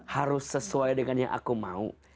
harus sesuai dengan yang aku mau